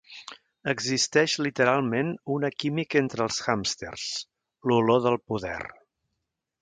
Existeix literalment una química entre els hàmsters: l'olor del poder.